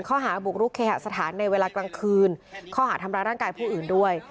ข้อหาบุกรุกเคหสถานในเวลากลางคืนข้อหาทำร้ายร่างกายผู้อื่นด้วย